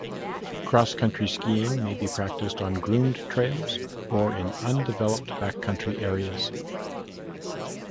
Cross-country skiing may be practiced on groomed trails or in undeveloped backcountry areas.